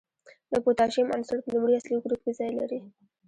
د پوتاشیم عنصر په لومړي اصلي ګروپ کې ځای لري.